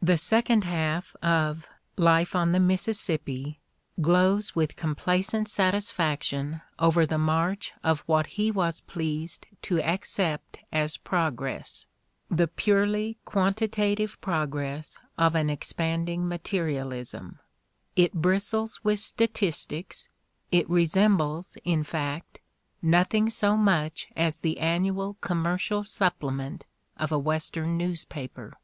The second half of "Life on the Mississippi" glows with compla cent satisfaction over the march of what he was pleased to accept as progress, the purely quantitative progress of an expanding materialism ; it bristles with statistics, it resembles, in fact, nothing so much as the annual commercial supplement of a Western newspaper.